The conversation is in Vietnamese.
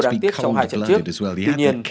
đáng tiếc trong hai trận trước tuy nhiên